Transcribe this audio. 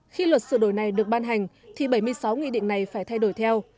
khi luật sửa đổi này được ban hành thì bảy mươi sáu nghị định này phải thay đổi theo